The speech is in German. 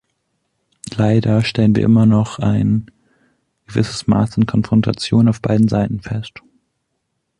Leider stellen wir noch immer ein gewisses Maß an Konfrontation auf beiden Seiten fest.